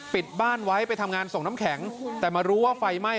ปิดบ้านไว้ไปทำงานส่งน้ำแข็งแต่มารู้ว่าไฟไหม้